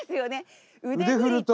腕振ると。